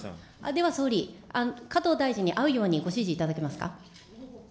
では総理、加藤大臣に会うようにご指示いただけますか。